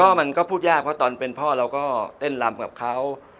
มันก็พูดยากเพราะตอนเป็นพ่อเราก็เต้นลำกับเขา